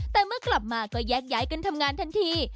แต่เมื่อกลับมาก็แยกย้ายกันทำงานทันที